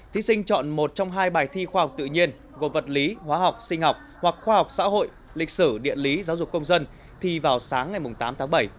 thí sinh chọn một trong hai bài thi khoa học tự nhiên gồm vật lý hóa học sinh học hoặc khoa học xã hội lịch sử địa lý giáo dục công dân thi vào sáng ngày tám tháng bảy